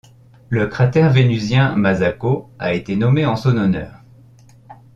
Le cratère vénusien Masako a été nommé en son honneur.